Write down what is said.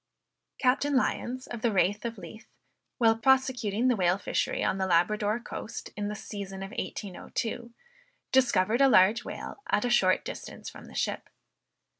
Captain Lyons of the Raith of Leith, while prosecuting the whale fishery on the Labrador coast, in the season of 1802, discovered a large whale at a short distance from the ship.